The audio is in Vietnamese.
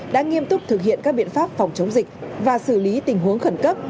đã nghiêm túc thực hiện các biện pháp phòng chống dịch và xử lý tình huống khẩn cấp